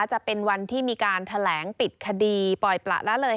จะเป็นวันที่มีการแถลงปิดคดีปล่อยประละเลย